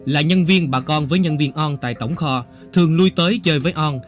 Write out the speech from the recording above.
là nhân viên bà con với nhân viên on tại tổng kho thường lui tới chơi với on